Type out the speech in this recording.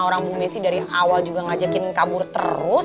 orang bu messi dari awal juga ngajakin kabur terus